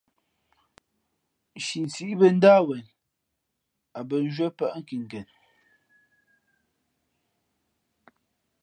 Nshi sǐʼ bᾱ ndáh wen, a bᾱ nzhwié pάʼ nkinken.